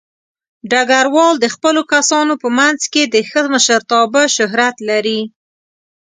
ډګروال د خپلو کسانو په منځ کې د ښه مشرتابه شهرت لري.